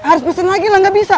harus pesen lagi lah nggak bisa